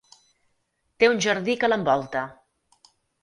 Té un jardí que l'envolta.